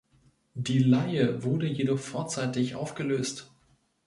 Die Leihe wurde jedoch vorzeitig aufgelöst.